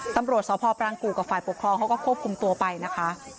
ตำรวจสพปรางกู่กับฝ่ายปกครองเขาก็ควบคุมตัวไปนะคะ